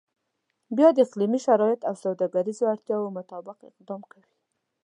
بیا د اقلیمي شرایطو او سوداګریزو اړتیاو مطابق اقدام کوي.